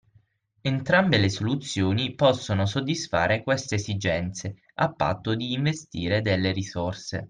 Entrambe le soluzioni possono soddisfare queste esigenze, a patto di investire delle risorse.